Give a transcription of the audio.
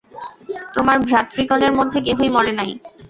তোমার ভ্রাতৃগণের মধ্যে কেহই মরে নাই।